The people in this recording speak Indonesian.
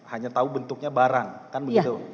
hanya tahu bentuknya barang kan begitu